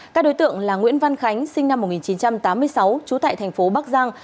các đối tượng là nguyễn văn khánh sinh năm một nghìn chín trăm tám mươi sáu trú tại thành phố bắc giang